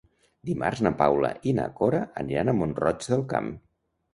Dimarts na Paula i na Cora aniran a Mont-roig del Camp.